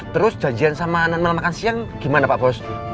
terus janjian sama makan siang gimana pak bos